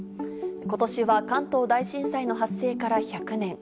ことしは関東大震災の発生から１００年。